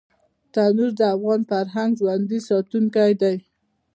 تنور د افغان فرهنګ ژوندي ساتونکی دی